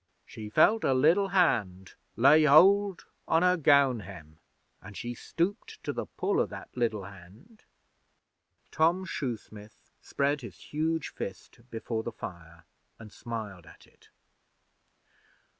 She felt a liddle hand lay hold on her gown hem, an' she stooped to the pull o' that liddle hand.' Tom Shoesmith spread his huge fist before the fire and smiled at it.